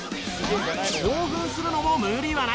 興奮するのも無理はない。